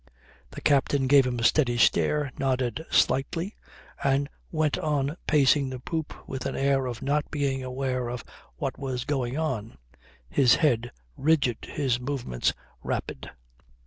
The captain gave him a steady stare, nodded slightly, and went on pacing the poop with an air of not being aware of what was going on, his head rigid, his movements rapid.